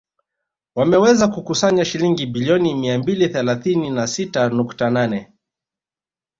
Wameweza kukusanya shilingi bilioni mia mbili thelathini na sita nukta nane